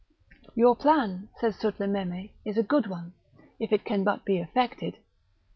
"Your plan," said Sutlememe, "is a good one, if it can but be effected.